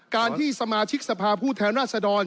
การที่สมาชิกสภาพผู้แทนราชดร